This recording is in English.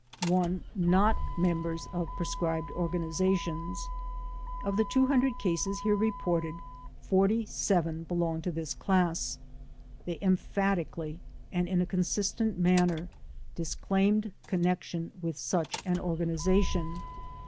1. Not Members of Proscribed Organizations Of the 200 cases here reported 47 belong to this class. They emphatically and in a consistent manner disclaimed connection with such an organization.